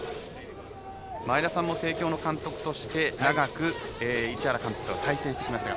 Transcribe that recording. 前田さんも帝京の監督として長く市原監督と対戦してきました。